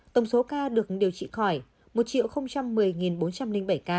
tổng số ca được điều trị khỏi một một mươi bốn trăm linh bảy ca